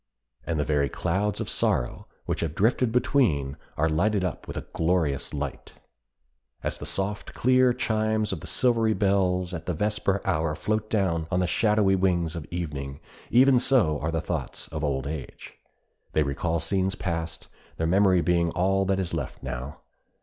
And the very clouds of sorrow which have drifted between are lighted up with a glorious light. As the soft, clear chimes of the silvery bells at the vesper hour float down on the shadowy wings of evening, even so are the thoughts of old age. They recall scenes past, their memory being all that is left now.